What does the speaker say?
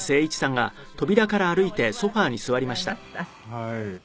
はい。